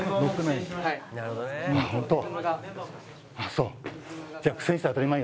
そう。